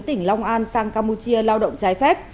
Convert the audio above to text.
tỉnh long an sang campuchia lao động trái phép